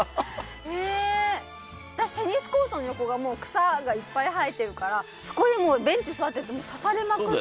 私、テニスコートの横が草がいっぱい生えてるからそこで、ベンチに座っていると刺されまくってて。